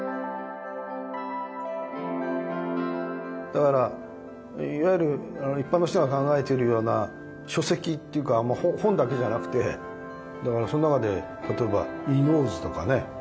だからいわゆる一般の人が考えてるような書籍っていうか本だけじゃなくてだからその中で例えば「伊能図」とかね。